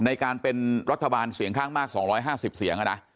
ในการเป็นรัฐบาลเสียงข้างมาก๒๕๐เสียง